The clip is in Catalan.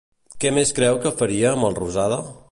Què més creu que faria Melrosada?